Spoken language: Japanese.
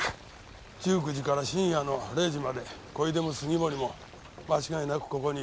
１９時から深夜の０時まで小出も杉森も間違いなくここにいた。